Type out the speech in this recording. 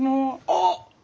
あっ！